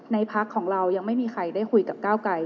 ในพรรคของเรายังไม่มีใครได้คุยกับเก้าไกร